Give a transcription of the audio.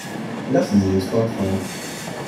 Lassen Sie uns fortfahren.